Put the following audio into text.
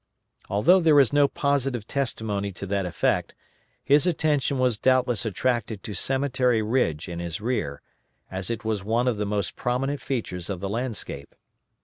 Although there is no positive testimony to that effect, his attention was doubtless attracted to Cemetery Ridge in his rear, as it was one of the most prominent features of the landscape.